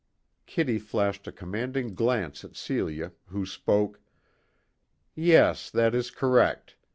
Kitty flashed a commanding glance at Celia, who spoke: "Yes; that is correct.